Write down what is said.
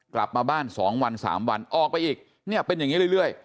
กลับมาบ้าน๒วัน๓วันออกไปอีกเนี่ยเป็นอย่างนี้เรื่อย